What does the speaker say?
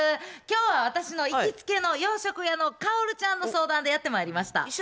今日は私の行きつけの洋食屋の薫ちゃんの相談でやってまいりました。